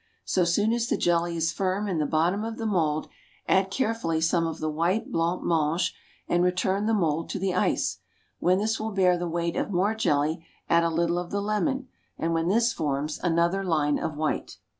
So soon as the jelly is firm in the bottom of the mould, add carefully some of the white blanc mange, and return the mould to the ice. When this will bear the weight of more jelly, add a little of the lemon, and when this forms, another line of white.